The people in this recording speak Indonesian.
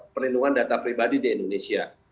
perlindungan data pribadi di indonesia